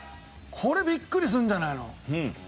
これビックリするんじゃないの？